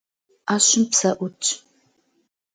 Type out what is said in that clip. Ӏэщым псэ ӏутщ.